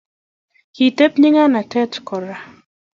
kiteb nyikanatet kora